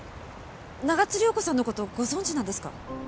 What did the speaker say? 長津涼子さんの事ご存じなんですか？